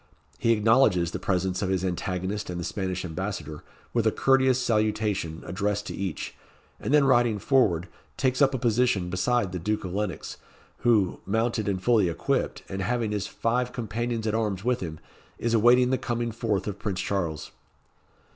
He acknowledges the presence of his antagonist and the Spanish Ambassador, with a courteous salutation addressed to each, and then riding forward, takes up a position beside the Duke of Lennox, who, mounted and fully equipped, and having his five companions at arms with him, is awaiting the coming forth of Prince Charles.